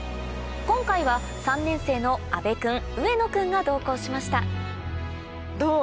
今回は３年生の阿部君上野君が同行しましたどう？